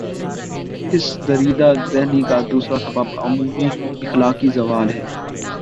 اس دریدہ دہنی کا دوسرا سبب عمومی اخلاقی زوال ہے۔